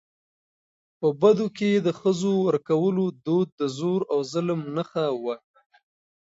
په بدو کي د ښځو ورکولو دود د زور او ظلم نښه وه .